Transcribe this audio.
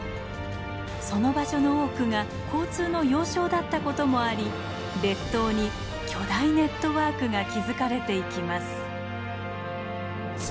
その場所の多くが交通の要衝だったこともあり列島に巨大ネットワークが築かれていきます。